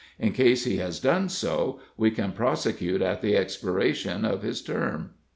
In case he has done so, we can prosecute at the expiration of his term."